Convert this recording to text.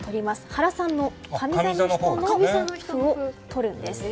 原さん、上座の人の「歩」をとるんです。